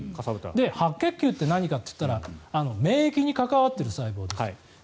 白血球って何かというと免疫に関わっている細胞です。